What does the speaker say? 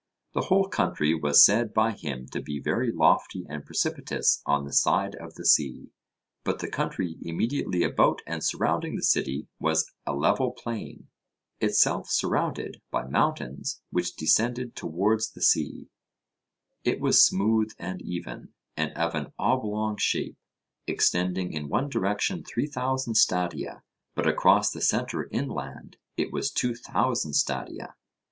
The whole country was said by him to be very lofty and precipitous on the side of the sea, but the country immediately about and surrounding the city was a level plain, itself surrounded by mountains which descended towards the sea; it was smooth and even, and of an oblong shape, extending in one direction three thousand stadia, but across the centre inland it was two thousand stadia.